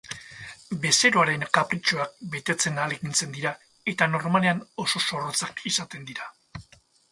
Bezeroaren kapritxoak betetzen ahalegintzen dira eta normalean oso zorrotzak izaten dira.